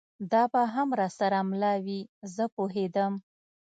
دا به هم را سره مله وي، زه پوهېدم.